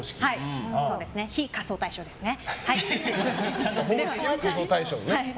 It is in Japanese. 非仮装大賞ですね。